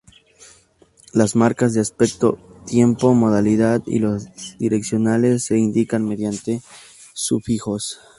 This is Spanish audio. Las marcas de aspecto-tiempo, modalidad y los direccionales se indican mediante sufijos.